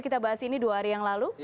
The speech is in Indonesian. kita bahas ini dua hari yang lalu